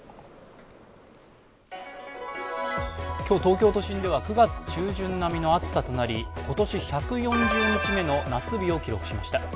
今日、東京都心では９月中旬並みの暑さとなり今年１４０日目の夏日を記録しました。